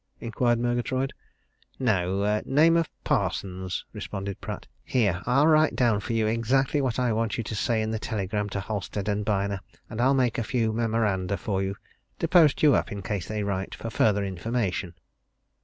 inquired Murgatroyd. "No name of Parsons," responded Pratt. "Here, I'll write down for you exactly what I want you to say in the telegram to Halstead & Byner, and I'll make a few memoranda for you to post you up in case they write for further information."